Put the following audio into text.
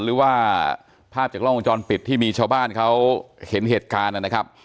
หรือว่าภาพจากล้องวงจรปิดที่มีชาวบ้านเขาเห็นเหตุการณ์นะครับ